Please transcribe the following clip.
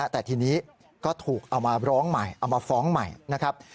แต่ทีนี้ก็ถูกเอามาร้องใหม่เอามาฟ้องใหม่นะครับ